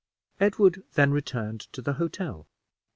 Edward then returned to the hotel.